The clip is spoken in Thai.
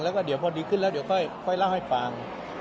แล้วก็เดี๋ยวพอดีขึ้นแล้วเดี๋ยวค่อยเล่าให้ฟัง